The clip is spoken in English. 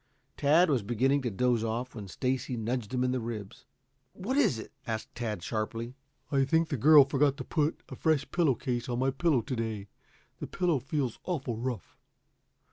Tad was beginning to doze off when Stacy nudged him in the ribs. "What is it?" asked Tad sharply. "I think the girl forgot to put a fresh pillow case on my pillow to day. The pillow feels awful rough."